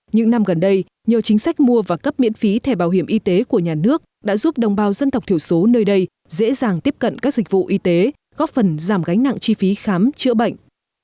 những năm gần đây nhiều chính sách mua và cấp miễn phí thẻ bảo hiểm y tế của nhà nước đã giúp đồng bào dân tộc thiểu số nơi đây dễ dàng tiếp cận các dịch vụ y tế góp phần giảm gánh nặng chi phí khám chữa bệnh